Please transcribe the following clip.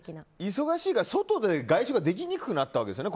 忙しいから、外食ができにくくなったわけですよね。